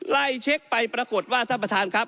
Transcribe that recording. ไล่เช็คไปปรากฏว่าท่านประธานครับ